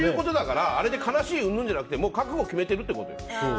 あれで悲しいうんぬんじゃなくて覚悟決めてるってことよ。